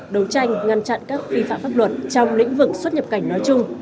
đấu tranh ngăn chặn các vi phạm pháp luật trong lĩnh vực xuất nhập cảnh nói chung